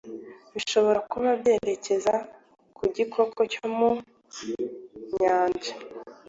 Bishobora kuba byerekeza ku gikoko cyo mu nyanja